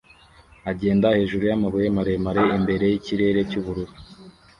agenda hejuru yamabuye maremare imbere yikirere cyubururu